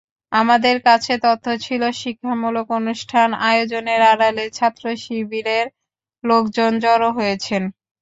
আমাদের কাছে তথ্য ছিল, শিক্ষামূলক অনুষ্ঠান আয়োজনের আড়ালে ছাত্রশিবিরের লোকজন জড়ো হয়েছেন।